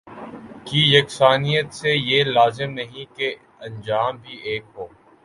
کی یکسانیت سے یہ لازم نہیں کہ انجام بھی ایک ہو